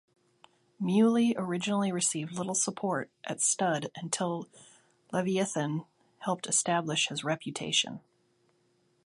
Muley originally received little support at stud until Leviathan helped establish his reputation.